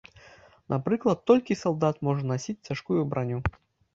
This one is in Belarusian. Напрыклад, толькі салдат можа насіць цяжкую браню.